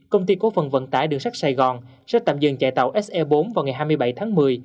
công ty cố phần vận tải đường sắt sài gòn sẽ tạm dừng chạy tàu se bốn vào ngày hai mươi bảy tháng một mươi